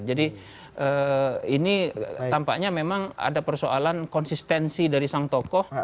jadi ini tampaknya memang ada persoalan konsistensi dari sang tokoh